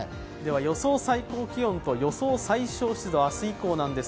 予想最高気温と予想最小湿度です。